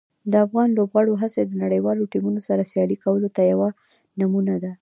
د افغان لوبغاړو هڅې د نړیوالو ټیمونو سره سیالي کولو ته یوه نمونه ده.